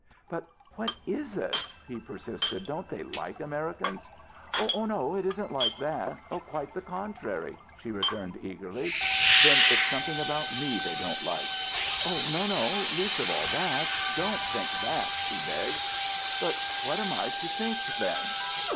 "But what is it?" her persisted. "Don't they like Americans?" "Oh, no, it isn't like that Oh, quite the contrary!" she returned eagerly. "Then it's something about me they don't like?" "Oh, no, no! Least of all, that don't think that!" she begged. "But what am I to think then?"